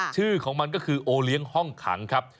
ชื่อของมันก็คือโอเลี้ยงห้องขังครับ